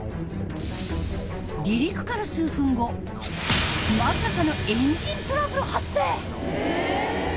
離陸から数分後まさかのエンジントラブル発生。